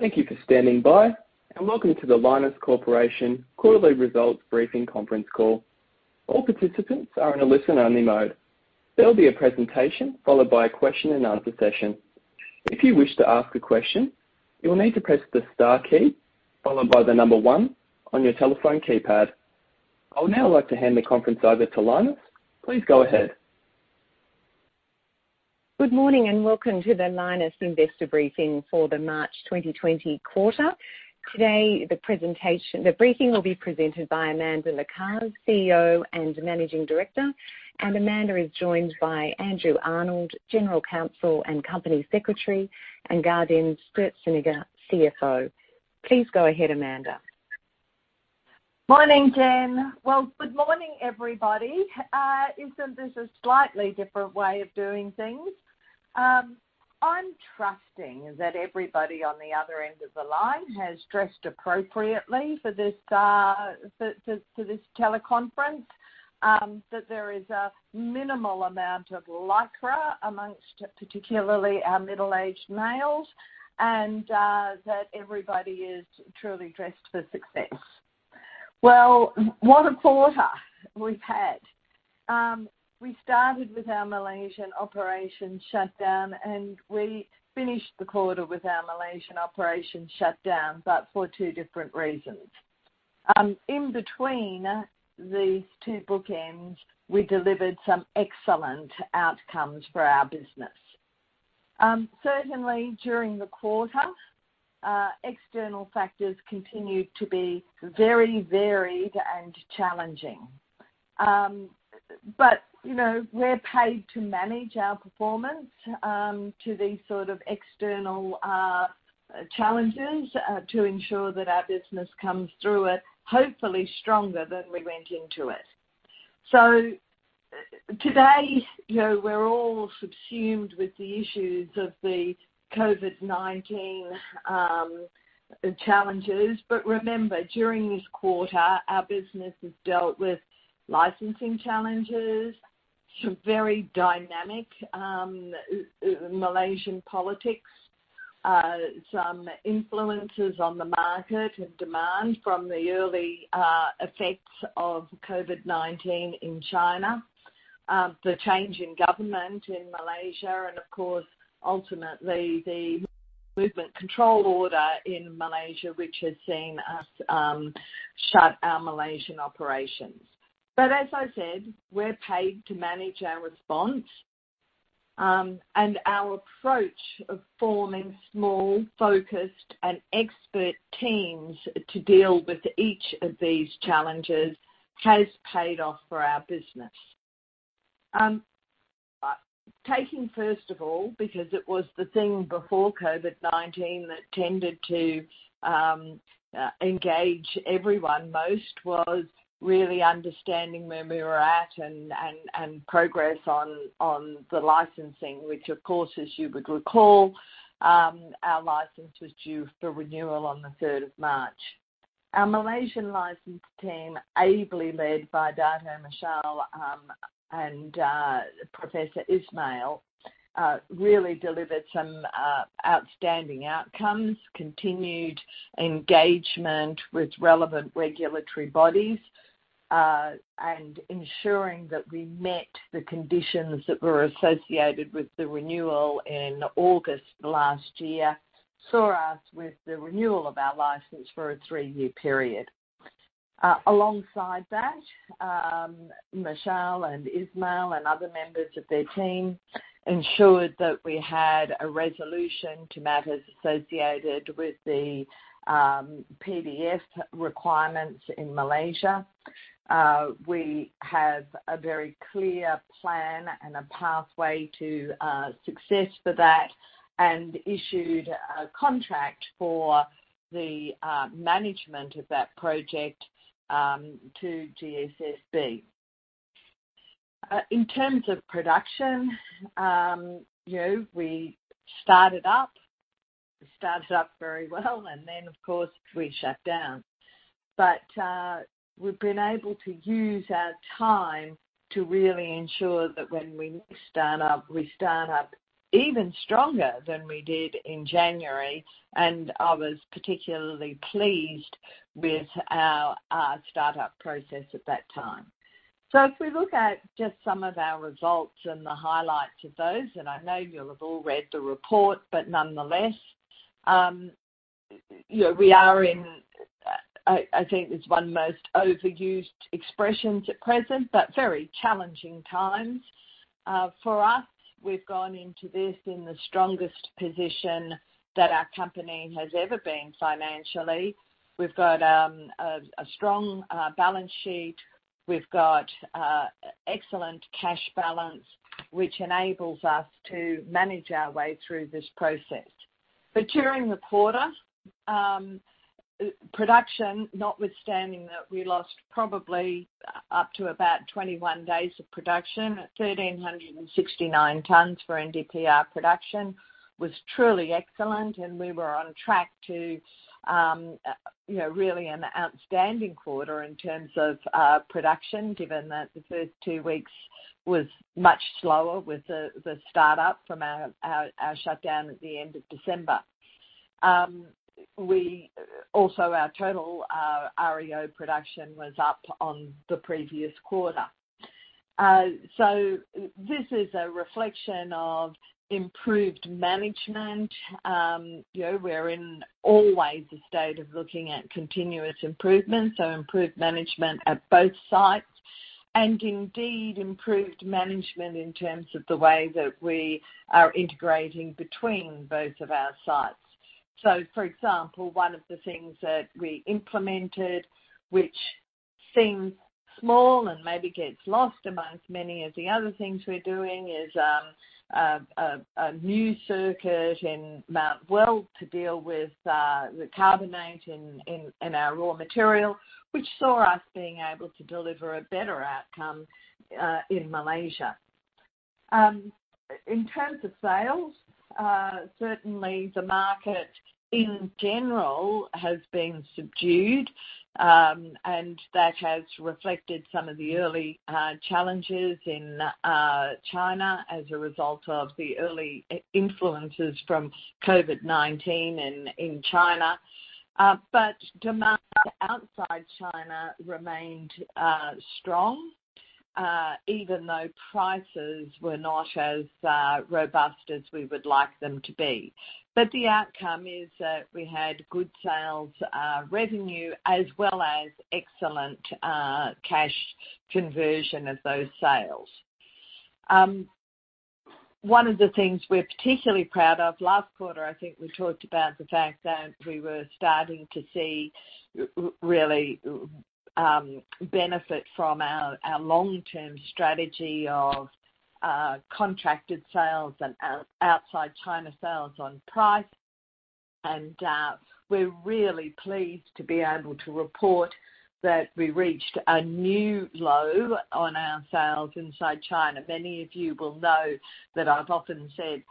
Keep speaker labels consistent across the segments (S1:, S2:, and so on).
S1: Thank you for standing by, and welcome to the Lynas Corporation quarterly results briefing conference call. All participants are in a listen-only mode. There will be a presentation followed by a question and answer session. If you wish to ask a question, you will need to press the star key followed by the number one on your telephone keypad. I would now like to hand the conference over to Lynas. Please go ahead.
S2: Good morning, and welcome to the Lynas Investor Briefing for the March 2020 Quarter. Today, the briefing will be presented by Amanda Lacaze, CEO and Managing Director, and Amanda is joined by Andrew Arnold, General Counsel and Company Secretary, and Gaudenz Sturzenegger, CFO. Please go ahead, Amanda.
S3: Morning, Jen. Well, good morning, everybody. Isn't this a slightly different way of doing things? I'm trusting that everybody on the other end of the line has dressed appropriately for this teleconference. That there is a minimal amount of Lycra amongst particularly our middle-aged males, and that everybody is truly dressed for success. Well, what a quarter we've had! We started with our Malaysian operation shutdown, and we finished the quarter with our Malaysian operation shutdown, but for two different reasons. In between these two bookends, we delivered some excellent outcomes for our business. Certainly, during the quarter, external factors continued to be very varied and challenging. But, you know, we're paid to manage our performance to these sort of external challenges to ensure that our business comes through it, hopefully stronger than we went into it. So today, you know, we're all subsumed with the issues of the COVID-19 challenges. But remember, during this quarter, our business has dealt with licensing challenges, some very dynamic Malaysian politics, some influences on the market and demand from the early effects of COVID-19 in China, the change in government in Malaysia, and of course, ultimately, the movement control order in Malaysia, which has seen us shut our Malaysian operations. But as I said, we're paid to manage our response, and our approach of forming small, focused, and expert teams to deal with each of these challenges has paid off for our business. Taking, first of all, because it was the thing before COVID-19 that tended to engage everyone most was really understanding where we were at and progress on the licensing, which of course, as you would recall, our license was due for renewal on the third of March. Our Malaysian license team, ably led by Dato' Mashal and Professor Ismail, really delivered some outstanding outcomes, continued engagement with relevant regulatory bodies, and ensuring that we met the conditions that were associated with the renewal in August last year, saw us with the renewal of our license for a three-year period. Alongside that, Michelle and Ismail and other members of their team ensured that we had a resolution to matters associated with the PDF requirements in Malaysia. We have a very clear plan and a pathway to success for that and issued a contract for the management of that project to GSSB. In terms of production, you know, we started up. We started up very well, and then, of course, we shut down. But we've been able to use our time to really ensure that when we start up, we start up even stronger than we did in January, and I was particularly pleased with our start-up process at that time. So if we look at just some of our results and the highlights of those, and I know you'll have all read the report, but nonetheless, you know, we are in, I think it's one most overused expressions at present, but very challenging times. For us, we've gone into this in the strongest position that our company has ever been financially. We've got a strong balance sheet. We've got excellent cash balance, which enables us to manage our way through this process. But during the quarter, production, notwithstanding that, we lost probably up to about 21 days of production. 1,369 tons for NdPr production was truly excellent, and we were on track to, you know, really an outstanding quarter in terms of, production, given that the first two weeks was much slower with the start up from our shutdown at the end of December. We also our total REO production was up on the previous quarter. So this is a reflection of improved management. You know, we're in always a state of looking at continuous improvement, so improved management at both sites, and indeed, improved management in terms of the way that we are integrating between both of our sites. So for example, one of the things that we implemented, which seems small and maybe gets lost amongst many of the other things we're doing, is a new circuit in Mount Weld to deal with the carbonate in our raw material, which saw us being able to deliver a better outcome in Malaysia. In terms of sales, certainly the market in general has been subdued, and that has reflected some of the early challenges in China as a result of the early influences from COVID-19 in China. But demand outside China remained strong, even though prices were not as robust as we would like them to be. But the outcome is that we had good sales revenue, as well as excellent cash conversion of those sales. One of the things we're particularly proud of, last quarter, I think we talked about the fact that we were starting to see really benefit from our long-term strategy of contracted sales and outside China sales on price. And we're really pleased to be able to report that we reached a new low on our sales inside China. Many of you will know that I've often said,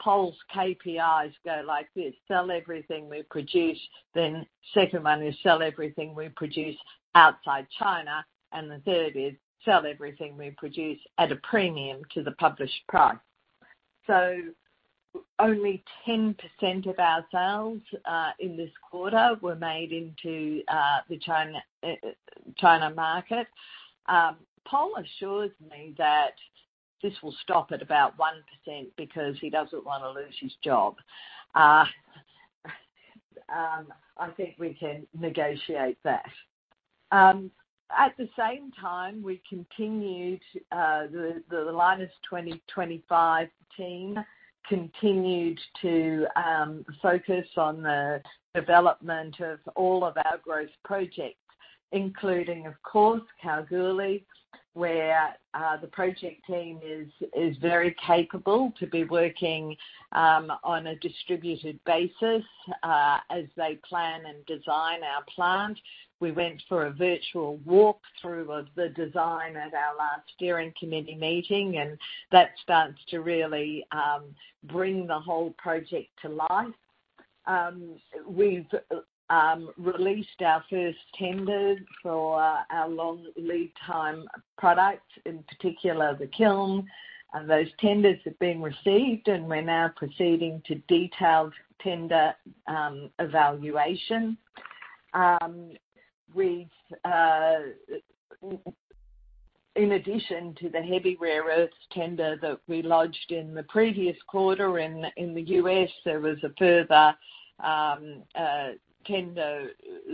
S3: Paul's KPIs go like this: Sell everything we produce, then second one is sell everything we produce outside China, and the third is sell everything we produce at a premium to the published price. So only 10% of our sales in this quarter were made into the China market. Paul assures me that this will stop at about 1% because he doesn't wanna lose his job. I think we can negotiate that. At the same time, we continued the Lynas 2025 team continued to focus on the development of all of our growth projects, including, of course, Kalgoorlie, where the project team is very capable to be working on a distributed basis as they plan and design our plant. We went for a virtual walk-through of the design at our last steering committee meeting, and that starts to really bring the whole project to life. We've released our first tender for our long lead time products, in particular, the kiln. And those tenders have been received, and we're now proceeding to detailed tender evaluation. In addition to the heavy rare earths tender that we lodged in the previous quarter in the U.S., there was a further tender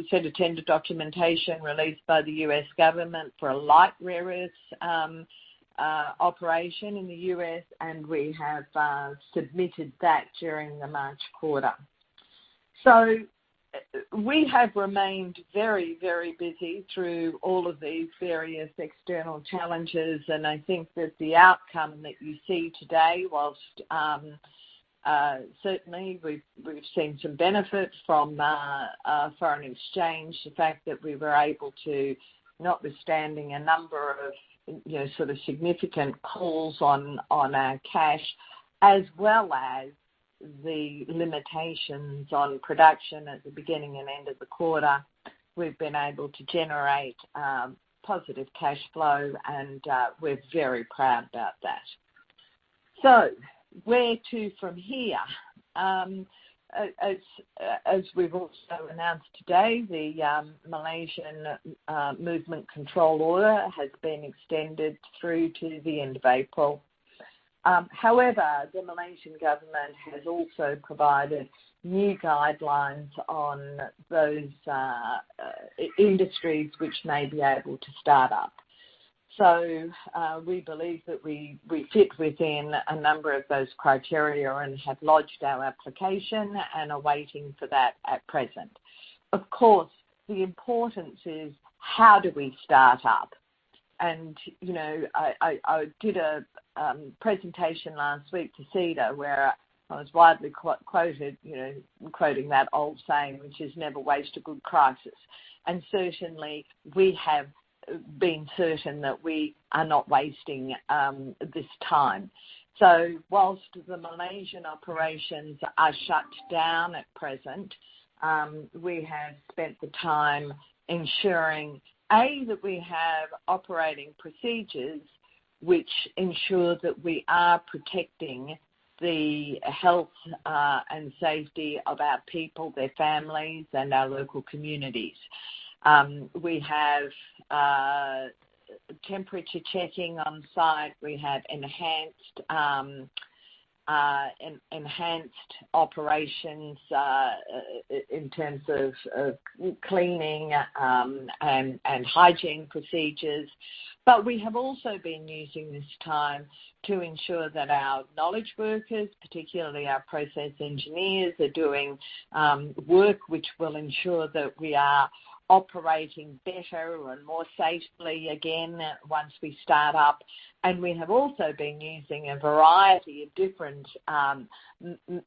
S3: set of tender documentation released by the U.S. government for a light rare earths operation in the U.S., and we have submitted that during the March quarter. So we have remained very, very busy through all of these various external challenges, and I think that the outcome that you see today, whilst certainly we've seen some benefits from foreign exchange, the fact that we were able to, notwithstanding a number of, you know, sort of significant calls on our cash, as well as the limitations on production at the beginning and end of the quarter, we've been able to generate positive cash flow, and we're very proud about that. So where to from here? As we've also announced today, the Malaysian movement control order has been extended through to the end of April. However, the Malaysian government has also provided new guidelines on those industries which may be able to start up. So, we believe that we fit within a number of those criteria and have lodged our application and are waiting for that at present. Of course, the importance is, how do we start up? And, you know, I did a presentation last week to CEDA, where I was widely quoted, you know, quoting that old saying, which is, "Never waste a good crisis." And certainly, we have been certain that we are not wasting this time. So while the Malaysian operations are shut down at present, we have spent the time ensuring, A, that we have operating procedures which ensure that we are protecting the health and safety of our people, their families, and our local communities. We have temperature checking on site. We have enhanced operations in terms of cleaning and hygiene procedures. But we have also been using this time to ensure that our knowledge workers, particularly our process engineers, are doing work which will ensure that we are operating better and more safely again once we start up. And we have also been using a variety of different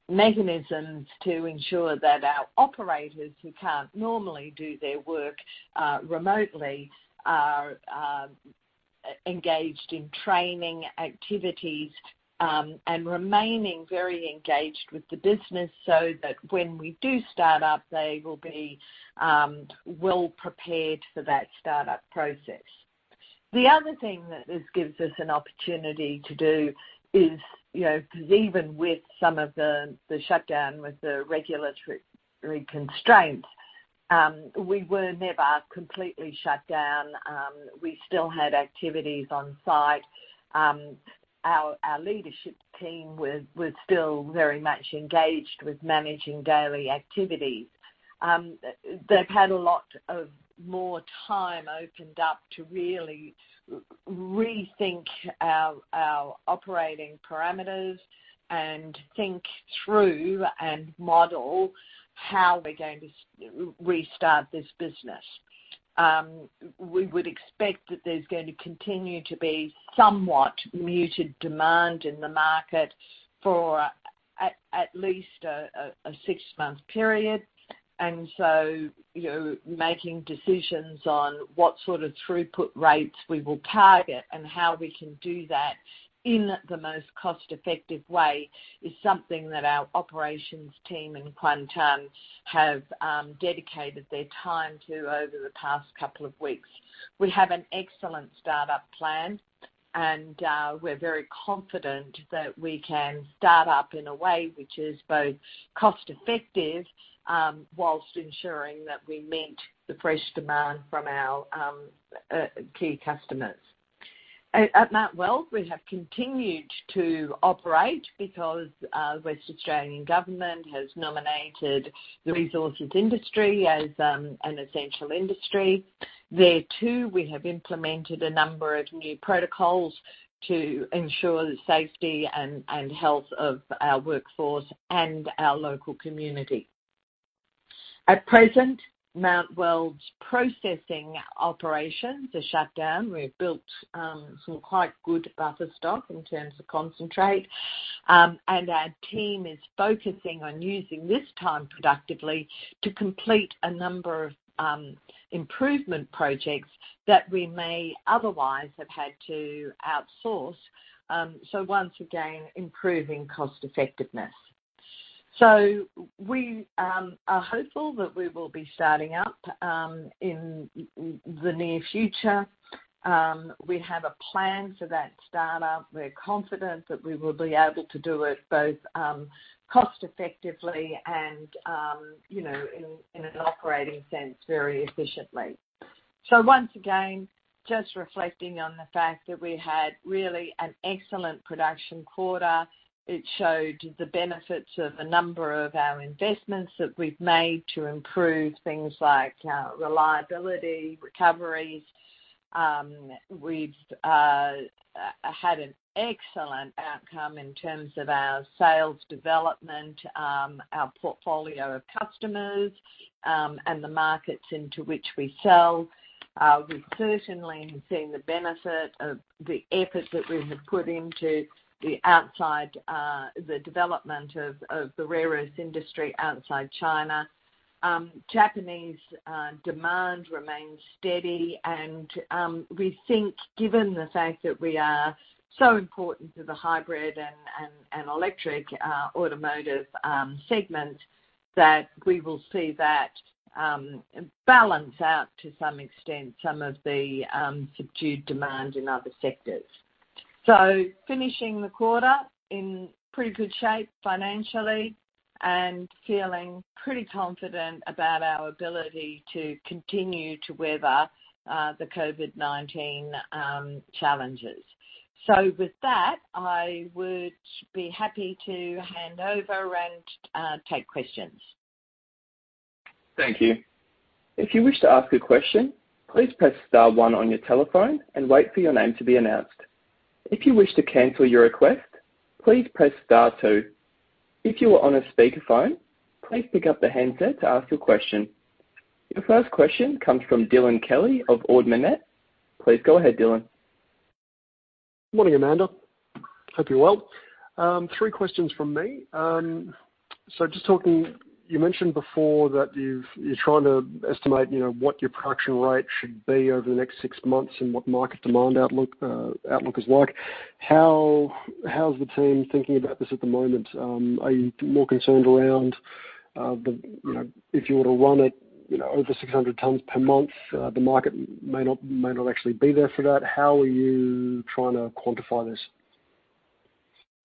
S3: mechanisms to ensure that our operators, who can't normally do their work remotely, are engaged in training activities and remaining very engaged with the business so that when we do start up, they will be well-prepared for that start-up process. The other thing that this gives us an opportunity to do is, you know, 'cause even with some of the shutdown, with the regulatory constraints, we were never completely shut down. We still had activities on site. Our leadership team was still very much engaged with managing daily activities. They've had a lot more time opened up to really rethink our operating parameters and think through and model how we're going to restart this business. We would expect that there's going to continue to be somewhat muted demand in the market for at least a six-month period. And so, you know, making decisions on what sort of throughput rates we will target and how we can do that in the most cost-effective way is something that our operations team in Kuantan have dedicated their time to over the past couple of weeks. We have an excellent start-up plan, and we're very confident that we can start up in a way which is both cost effective, whilst ensuring that we meet the fresh demand from our key customers. At Mount Weld, we have continued to operate because Western Australian Government has nominated the resources industry as an essential industry. There, too, we have implemented a number of new protocols to ensure the safety and health of our workforce and our local community. At present, Mount Weld's processing operations are shut down. We've built some quite good buffer stock in terms of concentrate. And our team is focusing on using this time productively to complete a number of improvement projects that we may otherwise have had to outsource. So once again, improving cost effectiveness. So we are hopeful that we will be starting up in the near future. We have a plan for that start-up. We're confident that we will be able to do it both cost effectively and, you know, in an operating sense, very efficiently. So once again, just reflecting on the fact that we had really an excellent production quarter. It showed the benefits of a number of our investments that we've made to improve things like reliability, recoveries. We've had an excellent outcome in terms of our sales development, our portfolio of customers, and the markets into which we sell. We've certainly seen the benefit of the effort that we have put into the outside the development of the rare earth industry outside China. Japanese demand remains steady and we think, given the fact that we are so important to the hybrid and electric automotive segment, that we will see that balance out to some extent, some of the subdued demand in other sectors. So finishing the quarter in pretty good shape financially and feeling pretty confident about our ability to continue to weather the COVID-19 challenges. So with that, I would be happy to hand over and take questions.
S1: Thank you. If you wish to ask a question, please press star one on your telephone and wait for your name to be announced. If you wish to cancel your request, please press star two. If you are on a speakerphone, please pick up the handset to ask your question. Your first question comes from Dylan Kelly of Ord Minnett. Please go ahead, Dylan.
S4: Good morning, Amanda. Hope you're well. Three questions from me. Just talking, you mentioned before that you're trying to estimate, you know, what your production rate should be over the next 6 months and what market demand outlook is like. How's the team thinking about this at the moment? Are you more concerned around the, you know, if you were to run it, you know, over 600 tons per month, the market may not actually be there for that. How are you trying to quantify this?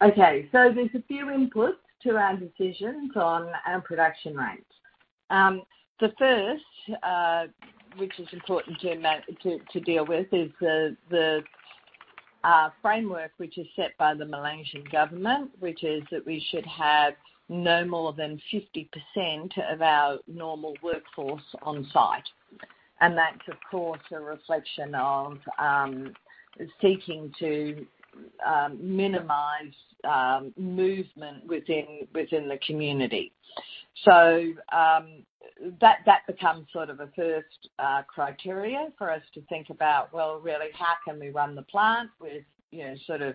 S3: Okay, so there's a few inputs to our decisions on our production rate. The first, which is important to deal with, is the framework, which is set by the Malaysian government, which is that we should have no more than 50% of our normal workforce on site. And that's, of course, a reflection of seeking to minimize movement within the community. So, that becomes sort of a first criteria for us to think about, well, really, how can we run the plant with, you know, sort of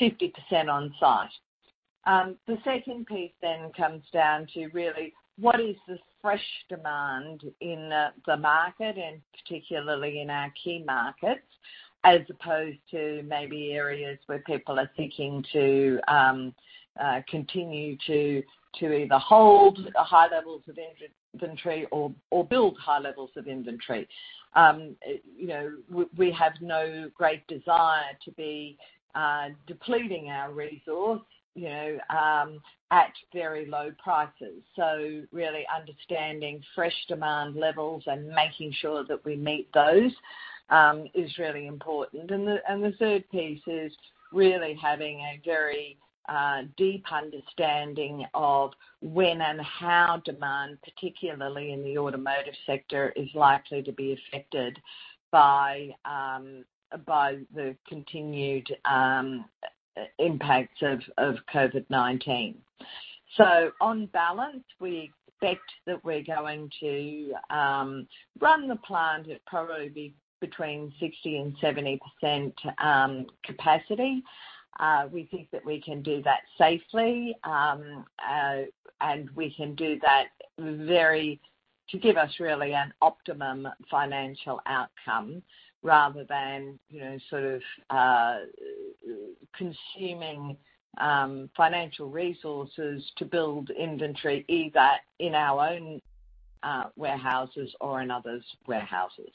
S3: 50% on site? The second piece then comes down to really what is the fresh demand in the market, and particularly in our key markets, as opposed to maybe areas where people are seeking to continue to either hold high levels of inventory or build high levels of inventory. You know, we have no great desire to be depleting our resource, you know, at very low prices. So really understanding fresh demand levels and making sure that we meet those is really important. The third piece is really having a very deep understanding of when and how demand, particularly in the automotive sector, is likely to be affected by the continued impacts of COVID-19. So on balance, we expect that we're going to run the plant at probably between 60% and 70% capacity. We think that we can do that safely, and we can do that to give us really an optimum financial outcome rather than, you know, sort of consuming financial resources to build inventory, either in our own warehouses or in others' warehouses.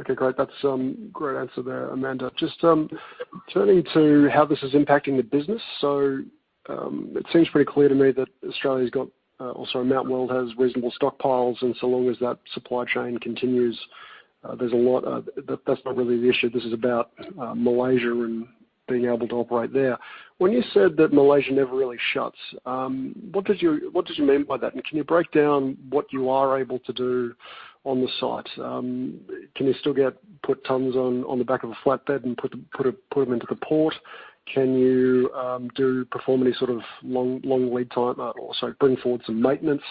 S4: Okay, great. That's a great answer there, Amanda. Just turning to how this is impacting the business. So it seems pretty clear to me that Australia's got also Mount Weld has reasonable stockpiles, and so long as that supply chain continues, there's a lot that's not really the issue. This is about Malaysia and being able to operate there. When you said that Malaysia never really shuts, what did you mean by that? And can you break down what you are able to do on the site? Can you still put tons on the back of a flatbed and put them into the port? Can you perform any sort of long lead time, bring forward some maintenance,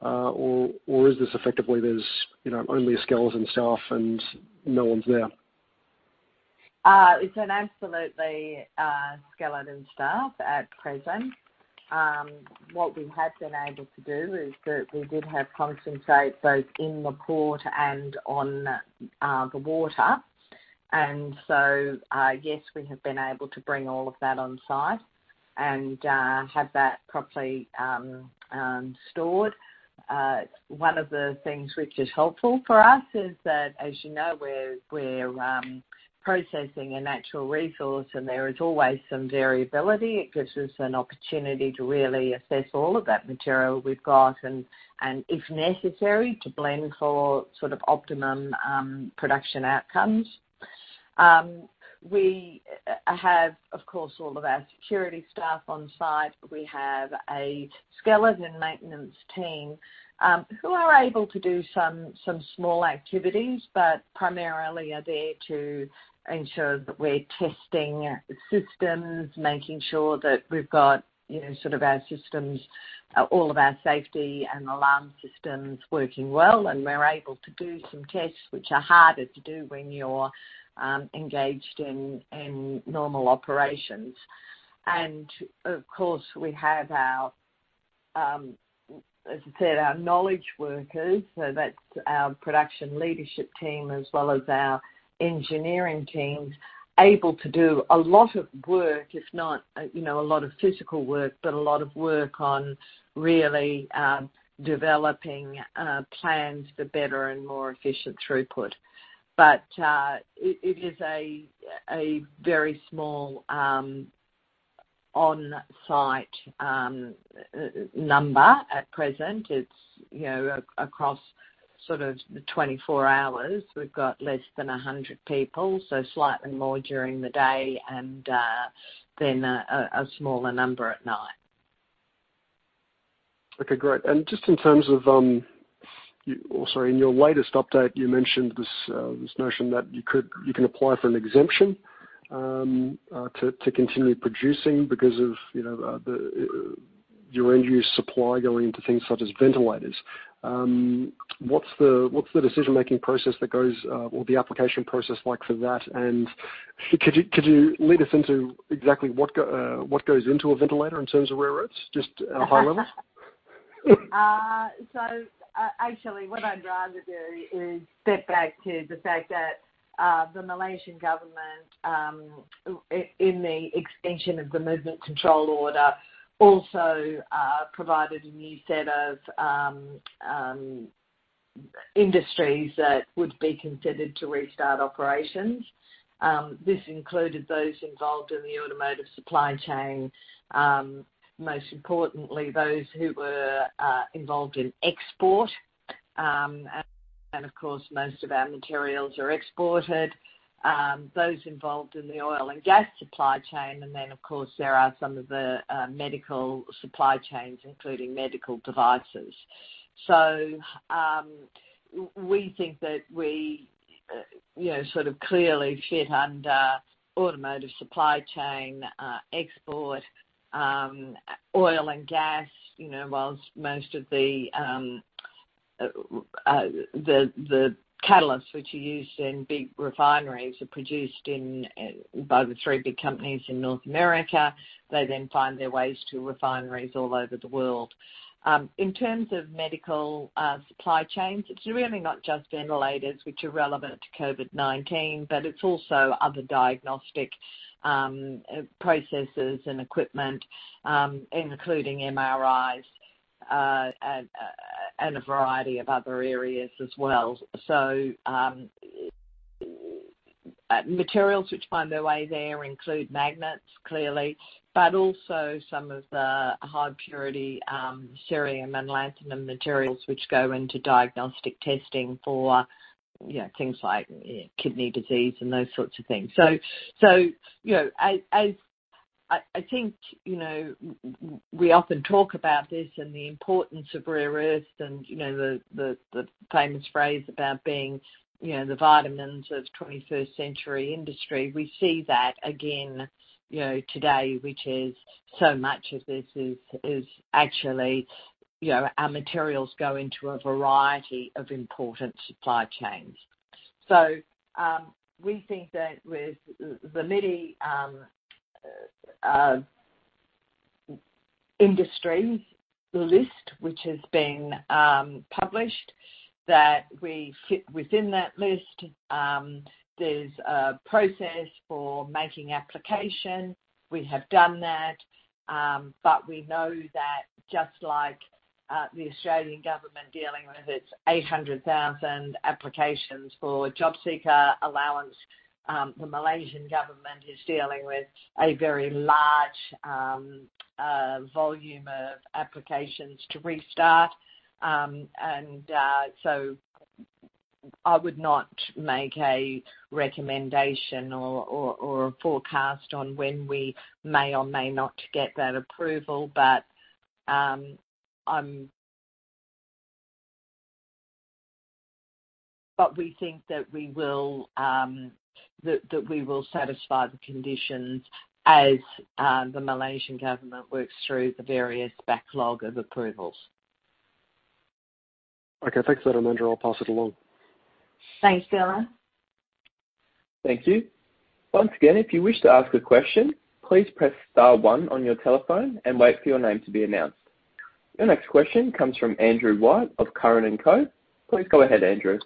S4: or is this effectively there's, you know, only a skeleton staff and no one's there?
S3: It's an absolutely skeleton staff at present. What we have been able to do is that we did have concentrate both in the port and on the water. And so, yes, we have been able to bring all of that on site and have that properly stored. One of the things which is helpful for us is that, as you know, we're processing a natural resource, and there is always some variability. It gives us an opportunity to really assess all of that material we've got and if necessary, to blend for sort of optimum production outcomes. We have, of course, all of our security staff on site. We have a skeleton maintenance team who are able to do some small activities, but primarily are there to ensure that we're testing systems, making sure that we've got, you know, sort of our systems, all of our safety and alarm systems working well, and we're able to do some tests, which are harder to do when you're engaged in normal operations. And of course, we have our, as I said, our knowledge workers, so that's our production leadership team as well as our engineering teams, able to do a lot of work, if not, you know, a lot of physical work, but a lot of work on really developing plans for better and more efficient throughput. But it is a very small on-site number at present. It's, you know, across sort of the 24 hours, we've got less than 100 people, so slightly more during the day and then a smaller number at night.
S4: Okay, great. And just in terms of, or sorry, in your latest update, you mentioned this notion that you can apply for an exemption to continue producing because of, you know, your end-use supply going into things such as ventilators. What's the decision-making process that goes, or the application process like for that? And could you lead us into exactly what goes into a ventilator in terms of rare earths, just at a high level?
S3: So, actually, what I'd rather do is step back to the fact that the Malaysian government, in the extension of the Movement Control Order, also provided a new set of industries that would be considered to restart operations. This included those involved in the automotive supply chain. Most importantly, those who were involved in export. And of course, most of our materials are exported. Those involved in the oil and gas supply chain, and then, of course, there are some of the medical supply chains, including medical devices. So, we think that we, you know, sort of clearly fit under automotive supply chain, export, oil and gas, you know, whilst most of the, the catalysts which are used in big refineries are produced in, by the three big companies in North America. They then find their ways to refineries all over the world. In terms of medical supply chains, it's really not just ventilators which are relevant to COVID-19, but it's also other diagnostic, processes and equipment, including MRIs, and, and a variety of other areas as well. Materials which find their way there include magnets, clearly, but also some of the high purity, cerium and lanthanum materials, which go into diagnostic testing for, you know, things like kidney disease and those sorts of things. So, you know, as I think, you know, we often talk about this and the importance of rare earths and, you know, the famous phrase about being, you know, the vitamins of twenty-first century industry. We see that again, you know, today, which is so much of this is actually, you know, our materials go into a variety of important supply chains. So, we think that with the many industries list, which has been published, that we fit within that list. There's a process for making application. We have done that, but we know that just like the Australian government dealing with its 800,000 applications for JobSeeker allowance, the Malaysian government is dealing with a very large volume of applications to restart. So I would not make a recommendation or a forecast on when we may or may not get that approval, but we think that we will satisfy the conditions as the Malaysian government works through the various backlog of approvals.
S4: Okay. Thanks for that, Amanda. I'll pass it along.
S3: Thanks, Dylan.
S1: Thank you. Once again, if you wish to ask a question, please press star one on your telephone and wait for your name to be announced. The next question comes from Andrew White of Curran & Co. Please go ahead, Andrew.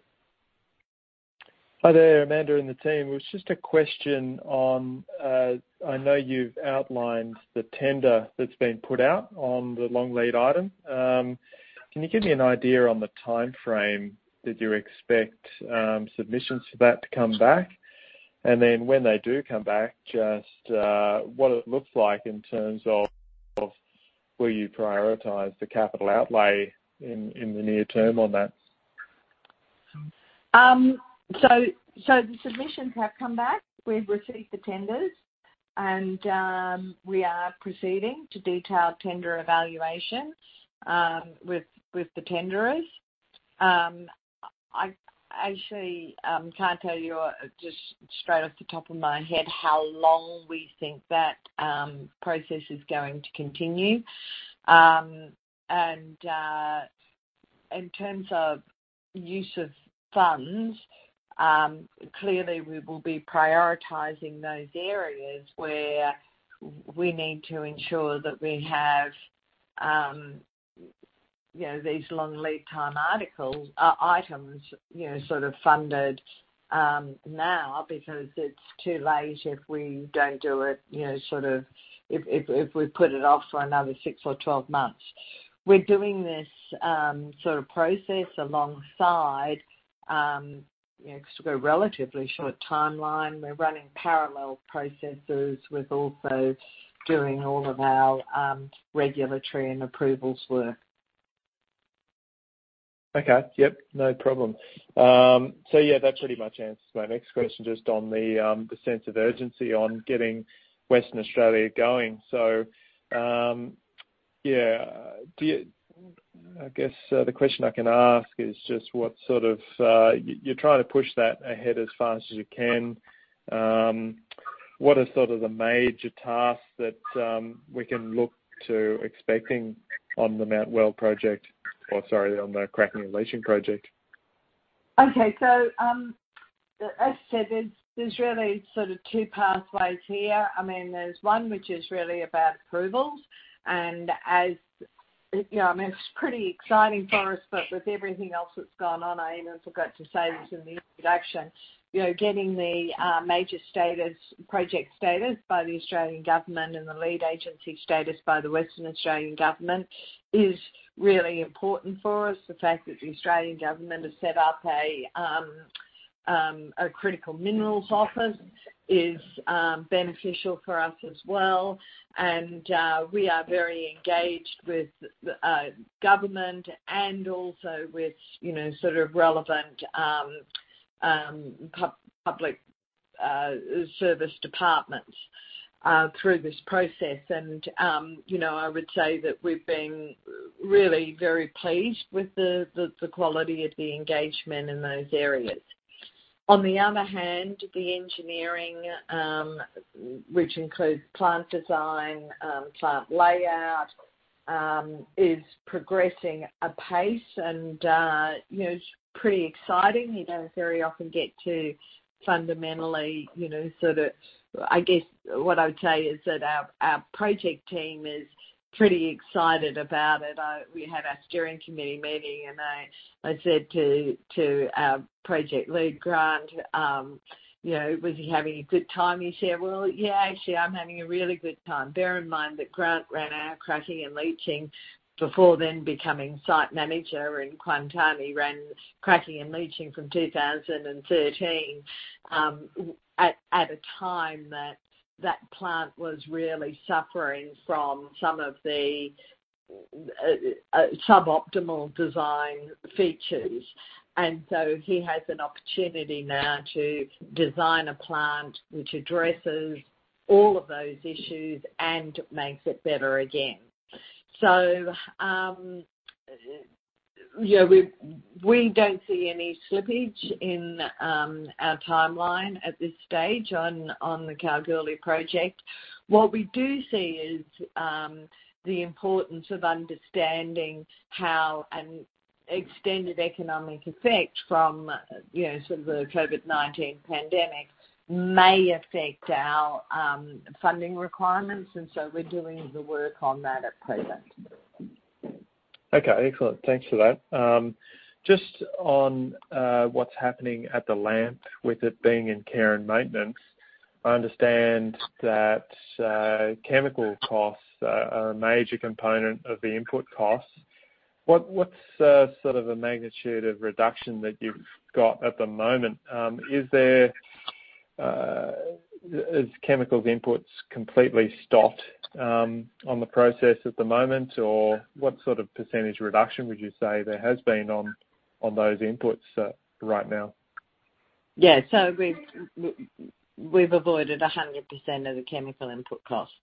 S5: Hi there, Amanda and the team. It was just a question on, I know you've outlined the tender that's been put out on the long lead item. Can you give me an idea on the timeframe that you expect, submissions for that to come back? And then when they do come back, just, what it looks like in terms of, of will you prioritize the capital outlay in, in the near term on that?
S3: So the submissions have come back. We've received the tenders, and we are proceeding to detailed tender evaluations with the tenderers. I actually can't tell you just straight off the top of my head how long we think that process is going to continue. And in terms of use of funds, clearly, we will be prioritizing those areas where we need to ensure that we have, you know, these long lead time articles, items, you know, sort of funded now because it's too late if we don't do it, you know, sort of if we put it off for another six or 12 months. We're doing this sort of process alongside, you know, relatively short timeline. We're running parallel processes with also doing all of our regulatory and approvals work.
S5: Okay. Yep, no problem. So yeah, that pretty much answers my next question, just on the sense of urgency on getting Western Australia going. So, yeah. I guess the question I can ask is just what sort of you're trying to push that ahead as fast as you can. What are sort of the major tasks that we can look to expecting on the Mount Weld project, or sorry, on the Kuantan Malaysian project?...
S3: Okay, so, as I said, there's really sort of two pathways here. I mean, there's one which is really about approvals, and, as you know, I mean, it's pretty exciting for us, but with everything else that's gone on, I even forgot to say this in the introduction. You know, getting the Major Project Status by the Australian government and the Lead Agency Status by the Western Australian government is really important for us. The fact that the Australian government has set up a Critical Minerals Office is beneficial for us as well. We are very engaged with the government and also with, you know, sort of relevant public service departments through this process. You know, I would say that we've been really very pleased with the quality of the engagement in those areas. On the other hand, the engineering, which includes plant design, plant layout, is progressing apace and, you know, it's pretty exciting. You don't very often get to fundamentally, you know, sort of... I guess what I would say is that our project team is pretty excited about it. We had our steering committee meeting, and I said to our project lead, Grant, you know, "Was he having a good time?" He said, "Well, yeah, actually, I'm having a really good time." Bear in mind that Grant ran our cracking and leaching before then becoming site manager in Kuantan, ran cracking and leaching from 2013, at a time that that plant was really suffering from some of the suboptimal design features. And so he has an opportunity now to design a plant which addresses all of those issues and makes it better again. So, yeah, we don't see any slippage in our timeline at this stage on the Kalgoorlie project. What we do see is the importance of understanding how an extended economic effect from, you know, sort of the COVID-19 pandemic may affect our funding requirements, and so we're doing the work on that at present.
S5: Okay, excellent. Thanks for that. Just on what's happening at the LAMP with it being in care and maintenance, I understand that chemical costs are a major component of the input costs. What's sort of a magnitude of reduction that you've got at the moment? Has chemical inputs completely stopped on the process at the moment? Or what sort of percentage reduction would you say there has been on those inputs right now?
S3: Yeah. So we've avoided 100% of the chemical input costs.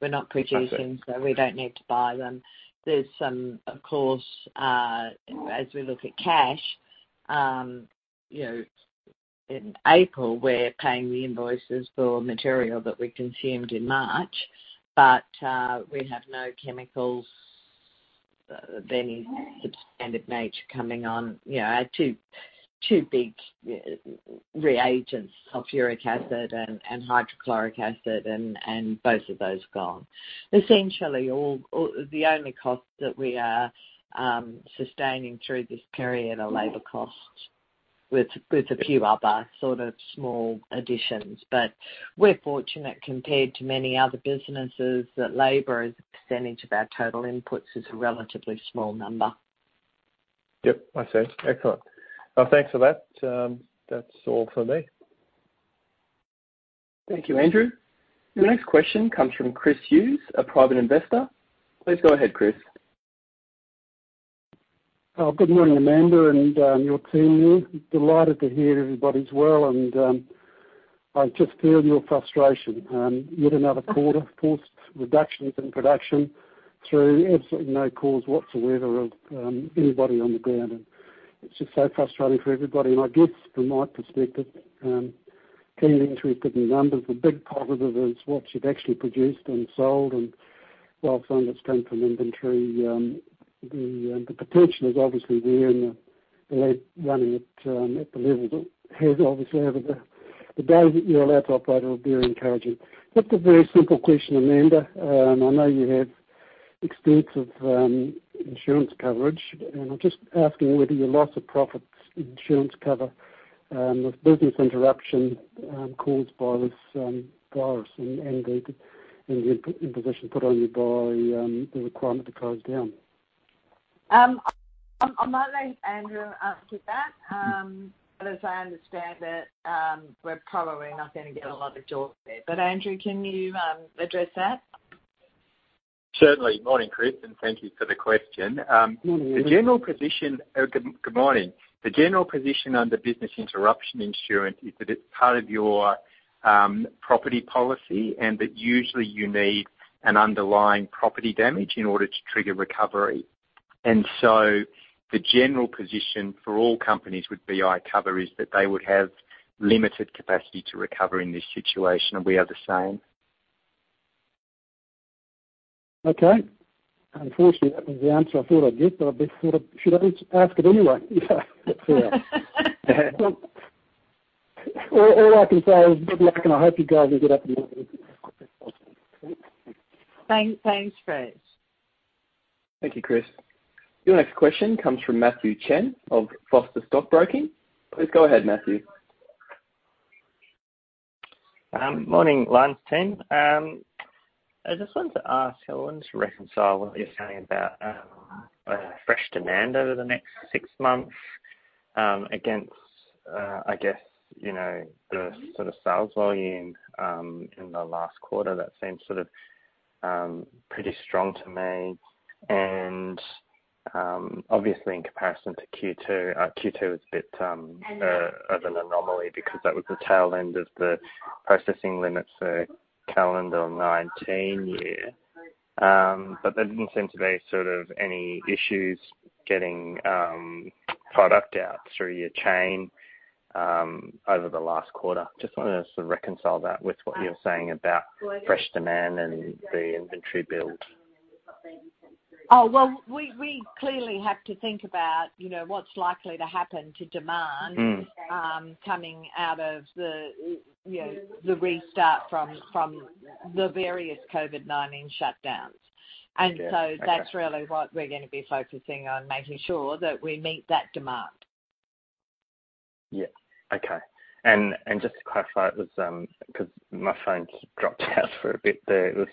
S3: We're not producing-
S5: Perfect.
S3: So we don't need to buy them. There's some, of course, as we look at cash, you know, in April, we're paying the invoices for material that we consumed in March, but we have no chemicals of any substantial nature coming on. You know, our two big reagents, sulfuric acid and hydrochloric acid, and both of those are gone. Essentially, the only costs that we are sustaining through this period are labor costs, with a few other sort of small additions. But we're fortunate, compared to many other businesses, that labor, as a percentage of our total inputs, is a relatively small number.
S5: Yep. I see. Excellent. Well, thanks for that. That's all for me.
S1: Thank you, Andrew. The next question comes from Chris Hughes, a private investor. Please go ahead, Chris.
S6: Good morning, Amanda, and your team there. Delighted to hear everybody's well, and I just feel your frustration. Yet another quarter, forced reductions in production through absolutely no cause whatsoever of anybody on the ground, and it's just so frustrating for everybody. I guess from my perspective, getting into the numbers, the big positive is what you've actually produced and sold, and while some that's come from inventory, the potential is obviously there, and they're running at the levels that have obviously, over the day that you're allowed to operate are very encouraging. Just a very simple question, Amanda. I know you have extensive insurance coverage, and I'm just asking whether your loss of profits insurance cover business interruption caused by this virus and, and the imposition put on you by the requirement to close down.
S3: I'll let Andrew answer that. But as I understand it, we're probably not going to get a lot of joy there. But Andrew, can you address that?
S7: Certainly. Morning, Chris, and thank you for the question.
S6: Mm-hmm.
S7: Good morning. The general position under business interruption insurance is that it's part of your property policy, and that usually you need an underlying property damage in order to trigger recovery. And so the general position for all companies with BI cover is that they would have limited capacity to recover in this situation, and we are the same....
S6: Okay. Unfortunately, that was the answer I thought I'd get, but I thought I should ask it anyway. All, all I can say is good luck, and I hope you guys will get up and running.
S3: Thanks, thanks, Chris.
S1: Thank you, Chris. Your next question comes from Matthew Chen of Foster Stockbroking. Please go ahead, Matthew.
S8: Morning, Lynas team. I just wanted to ask, I want to reconcile what you're saying about fresh demand over the next six months against, I guess, you know, the sort of sales volume in the last quarter. That seems sort of pretty strong to me. And, obviously, in comparison to Q2, Q2 was a bit of an anomaly because that was the tail end of the processing limits for calendar 2019. But there didn't seem to be sort of any issues getting product out through your chain over the last quarter. Just wanted to sort of reconcile that with what you're saying about fresh demand and the inventory build.
S3: Oh, well, we clearly have to think about, you know, what's likely to happen to demand-
S8: Mm.
S3: coming out of the, you know, the restart from the various COVID-19 shutdowns.
S8: Okay.
S3: And so that's really what we're going to be focusing on, making sure that we meet that demand.
S8: Yeah. Okay. And just to clarify, it was because my phone kept dropping out for a bit there. It was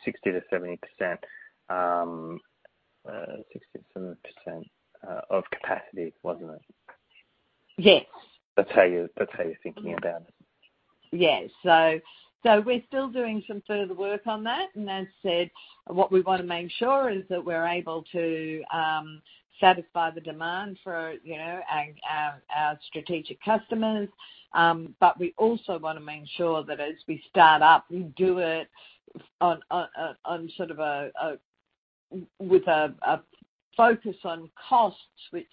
S8: 60%-70% of capacity, wasn't it?
S3: Yes.
S8: That's how you, that's how you're thinking about it?
S3: Yes. So we're still doing some further work on that. And as I said, what we want to make sure is that we're able to satisfy the demand for, you know, our strategic customers. But we also want to make sure that as we start up, we do it on sort of a with a focus on costs, which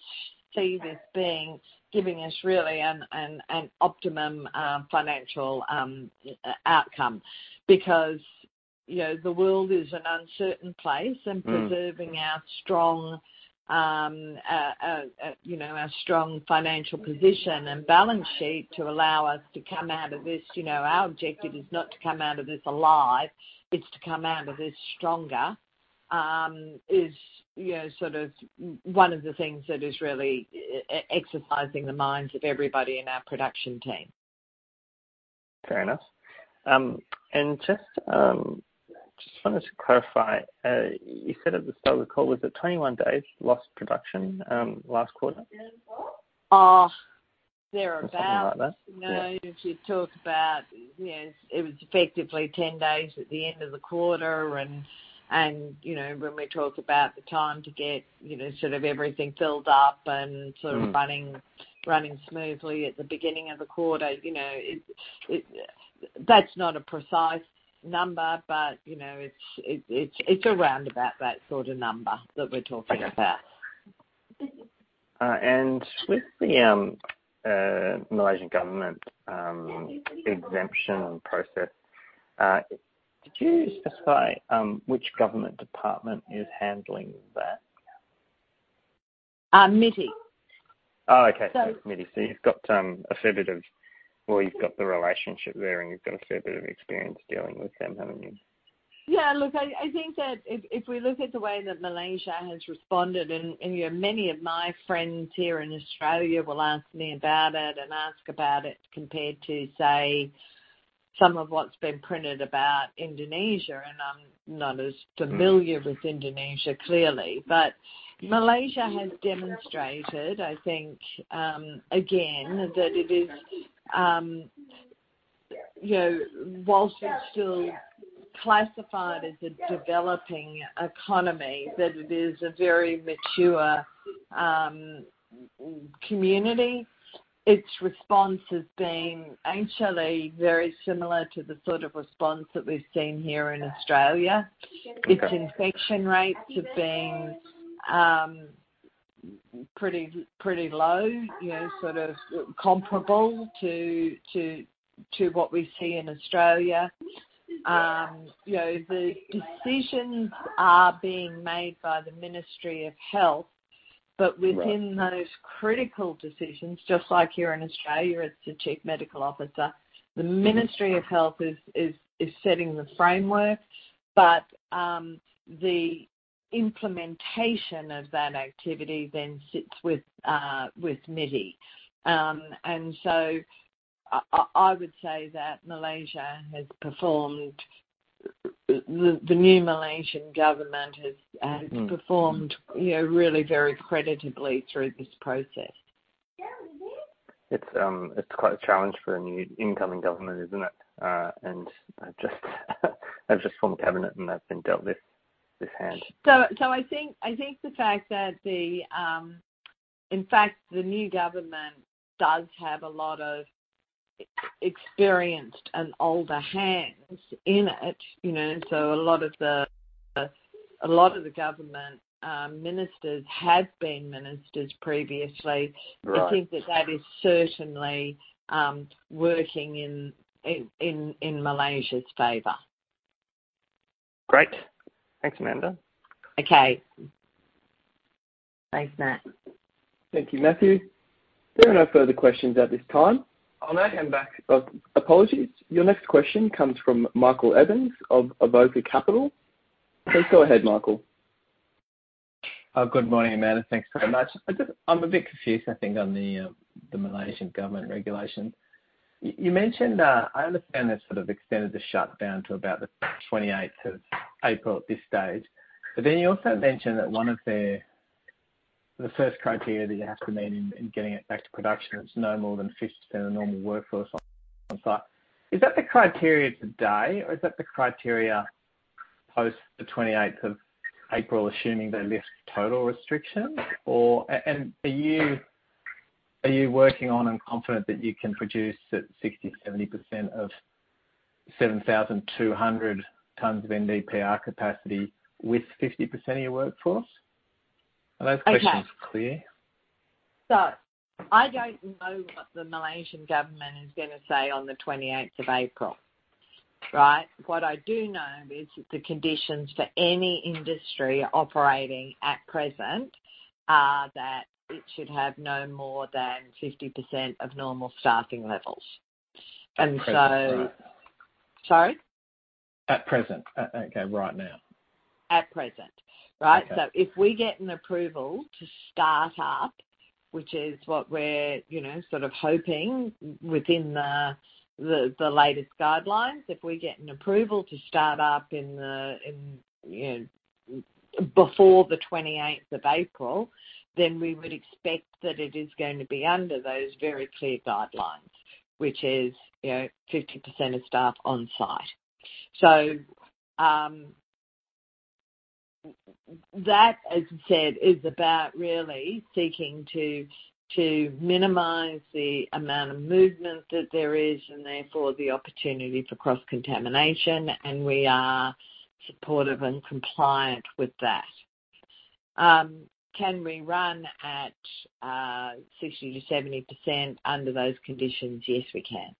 S3: seems as being giving us really an optimum financial outcome. Because, you know, the world is an uncertain place-
S8: Mm
S3: -and preserving our strong, you know, our strong financial position and balance sheet to allow us to come out of this, you know, our objective is not to come out of this alive, it's to come out of this stronger, is, you know, sort of one of the things that is really exercising the minds of everybody in our production team.
S8: Fair enough. Just wanted to clarify, you said at the start of the call, was it 21 days lost production, last quarter?
S3: Uh, thereabout.
S8: Something like that.
S3: You know, if you talk about, you know, it was effectively 10 days at the end of the quarter, and, you know, when we talk about the time to get, you know, sort of everything built up and-
S8: Mm
S3: sort of running smoothly at the beginning of the quarter, you know, it. That's not a precise number, but, you know, it's around about that sort of number that we're talking about.
S8: With the Malaysian government exemption and process, did you specify which government department is handling that?
S3: Uh, MITI.
S8: Oh, okay.
S3: So-
S8: MITI. So you've got, a fair bit of, or you've got the relationship there, and you've got a fair bit of experience dealing with them, haven't you?
S3: Yeah, look, I think that if we look at the way that Malaysia has responded, and you know, many of my friends here in Australia will ask me about it and ask about it compared to, say, some of what's been printed about Indonesia, and I'm not as familiar-
S8: Mm
S3: -with Indonesia, clearly. But Malaysia has demonstrated, I think, again, that it is, you know, whilst it's still classified as a developing economy, that it is a very mature, community. Its response has been actually very similar to the sort of response that we've seen here in Australia.
S8: Okay.
S3: Its infection rates have been pretty, pretty low, you know, sort of comparable to what we see in Australia. You know, the decisions are being made by the Ministry of Health.
S8: Right.
S3: But within those critical decisions, just like here in Australia, it's the chief medical officer. The Ministry of Health is setting the framework, but the implementation of that activity then sits with MITI. And so I would say that Malaysia has performed... The new Malaysian government has-
S8: Mm
S3: has performed, you know, really very creditably through this process.
S8: It's, it's quite a challenge for a new incoming government, isn't it? And just, they've just formed a cabinet, and they've been dealt this, this hand.
S3: So, I think the fact that, in fact, the new government does have a lot of experienced and older hands in it, you know, so a lot of the government ministers had been ministers previously.
S8: Right.
S3: I think that that is certainly working in Malaysia's favor....
S8: Great! Thanks, Amanda.
S3: Okay. Thanks, Matt.
S1: Thank you, Matthew. There are no further questions at this time. I'll now hand back. Apologies. Your next question comes from Michael Evans of Acova Capital. Please go ahead, Michael.
S9: Good morning, Amanda. Thanks very much. I just I'm a bit confused, I think, on the Malaysian government regulation. You mentioned, I understand they've sort of extended the shutdown to about the 28th of April at this stage. But then you also mentioned that one of their, the first criteria that you have to meet in getting it back to production is no more than 50% of normal workforce on site. Is that the criteria today, or is that the criteria post the 28th of April, assuming they lift total restrictions? Or, and are you working on and confident that you can produce at 60, 70% of 7,200 tons of NdPr capacity with 50% of your workforce?
S3: Okay.
S9: Are those questions clear?
S3: So I don't know what the Malaysian government is gonna say on the 28th of April, right? What I do know is that the conditions for any industry operating at present are that it should have no more than 50% of normal staffing levels. And so-
S9: At present, right?
S3: Sorry?
S9: At present. Okay, right now.
S3: At present, right?
S9: Okay.
S3: So if we get an approval to start up, which is what we're, you know, sort of hoping within the latest guidelines. If we get an approval to start up in the, in, you know, before the 28th of April, then we would expect that it is going to be under those very clear guidelines, which is, you know, 50% of staff on site. So, that, as you said, is about really seeking to minimize the amount of movement that there is and therefore the opportunity for cross-contamination, and we are supportive and compliant with that. Can we run at, sixty to seventy percent under those conditions? Yes, we can.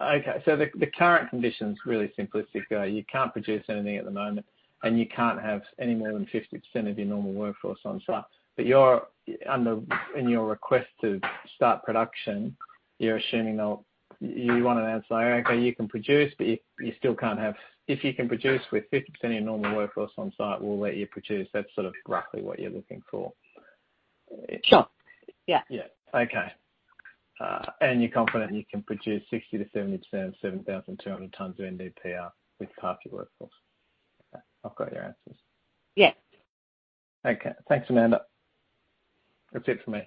S9: Okay. So the current conditions, really simplistic, are you can't produce anything at the moment, and you can't have any more than 50% of your normal workforce on site. But you're under in your request to start production, you're assuming they'll... You want an answer, okay, you can produce, but you still can't have— If you can produce with 50% of your normal workforce on site, we'll let you produce. That's sort of roughly what you're looking for.
S3: Sure. Yeah.
S9: Yeah. Okay. And you're confident you can produce 60%-70% of 7,200 tons of NdPr with half your workforce? Okay, I've got your answers.
S3: Yes.
S9: Okay. Thanks, Amanda. That's it for me.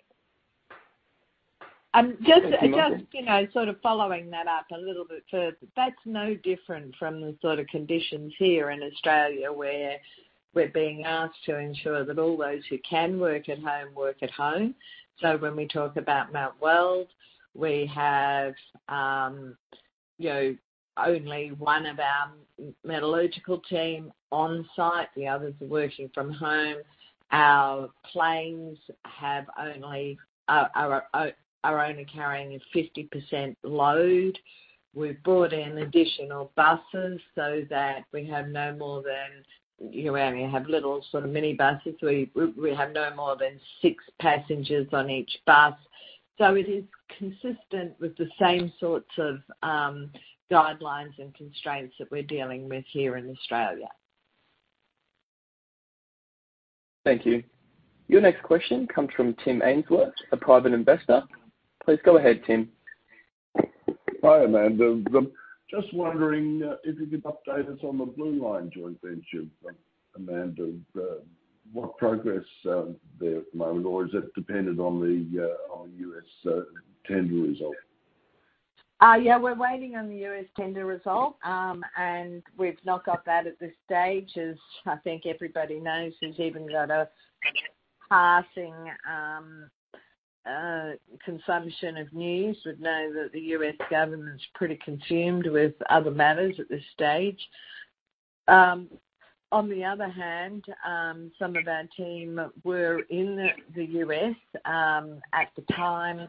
S3: Um, just-
S1: Thank you, Michael.
S3: Just, you know, sort of following that up a little bit further, that's no different from the sort of conditions here in Australia, where we're being asked to ensure that all those who can work at home, work at home. So when we talk about Mount Weld, we have, you know, only one of our metallurgical team on site. The others are working from home. Our planes are only carrying a 50% load. We've brought in additional buses so that we have no more than... You know, we only have little sort of mini buses. We have no more than six passengers on each bus. So it is consistent with the same sorts of guidelines and constraints that we're dealing with here in Australia.
S1: Thank you. Your next question comes from Tim Ainsworth, a private investor. Please go ahead, Tim.
S10: Hi, Amanda. I'm just wondering if you could update us on the Blue Line joint venture, Amanda. What progress there at the moment, or is it dependent on the on the U.S. tender result?
S3: Yeah, we're waiting on the U.S. tender result. And we've not got that at this stage, as I think everybody knows who's even got a passing consumption of news, would know that the U.S. government's pretty consumed with other matters at this stage. On the other hand, some of our team were in the U.S. at the time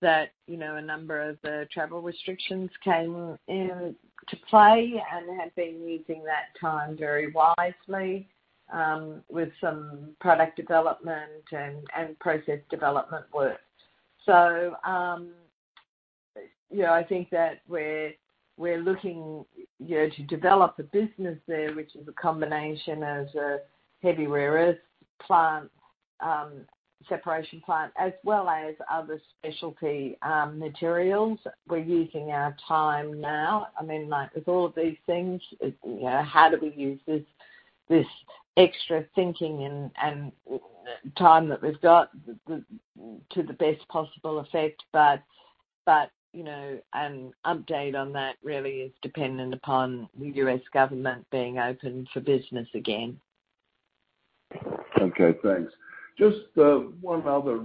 S3: that, you know, a number of the travel restrictions came to play and have been using that time very wisely with some product development and process development work. So, you know, I think that we're looking, you know, to develop a business there, which is a combination as a heavy rare earth plant, separation plant, as well as other specialty materials. We're using our time now. I mean, like, with all of these things, you know, how do we use this extra thinking and time that we've got to the best possible effect? But, you know, an update on that really is dependent upon the U.S. government being open for business again.
S10: Okay, thanks. Just one other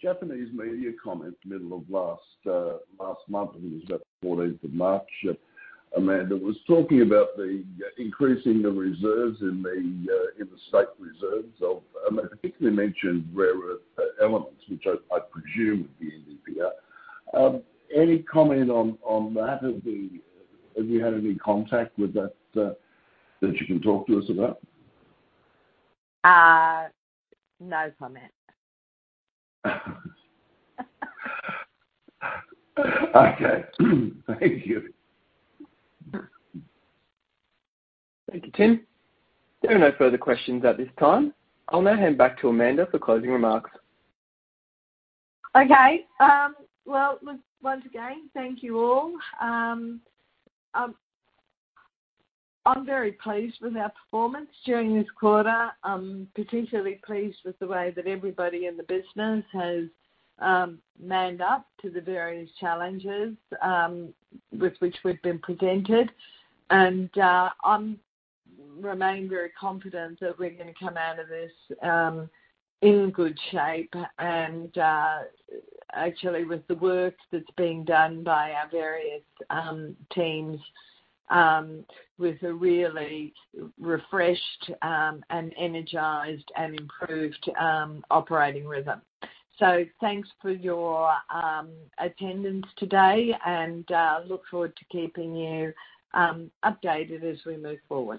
S10: Japanese media comment, middle of last month, it was about the fourteenth of March. Amanda was talking about the increasing the reserves in the state reserves of particularly mentioned rare earth elements, which I presume would be NdPr. Any comment on that? Have you had any contact with that that you can talk to us about?
S3: No comment.
S10: Okay. Thank you.
S1: Thank you, Tim. There are no further questions at this time. I'll now hand back to Amanda for closing remarks.
S3: Okay. Well, once again, thank you, all. I'm very pleased with our performance during this quarter. I'm particularly pleased with the way that everybody in the business has manned up to the various challenges with which we've been presented. I remain very confident that we're gonna come out of this in good shape, and actually, with the work that's being done by our various teams with a really refreshed and energized and improved operating rhythm. Thanks for your attendance today, and look forward to keeping you updated as we move forward.